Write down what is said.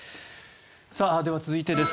では、続いてです。